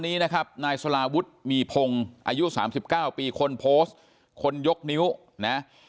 นี้นะครับนายสลาวุฒิมีพงศ์อายุ๓๙ปีคนโพสต์คนยกนิ้วนะ